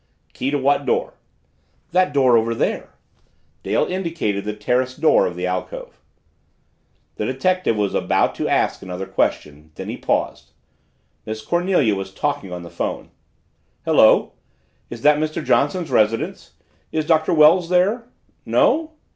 "Key to what door?" "That door over there." Dale indicated the terrace door of the alcove. The detective was about to ask another question then he paused. Miss Cornelia was talking on the phone. "Hello is that Mr. Johnson's residence? Is Doctor Wells there? No?"